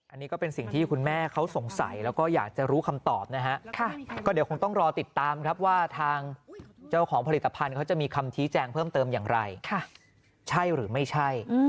อันนี้ก็เป็นสิ่งที่คุณแม่เขาสงสัยแล้วก็อยากจะรู้คำตอบนะฮะก็เดี๋ยวคงต้องรอติดตามครับว่าทางเจ้าของผลิตภัณฑ์เขาจะมีคำชี้แจงเพิ่มเติมอย่างไรใช่หรือไม่ใช่